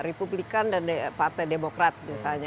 republikan dan partai demokrat misalnya